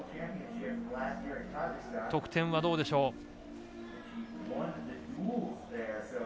得点はどうでしょう。